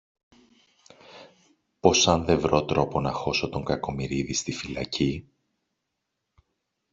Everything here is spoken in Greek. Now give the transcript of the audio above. πως αν δε βρω τρόπο να χώσω τον Κακομοιρίδη στη φυλακή